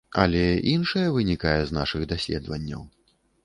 Але іншае вынікае з нашых даследаванняў.